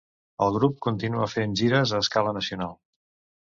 El grup continua fent gires a escala nacional.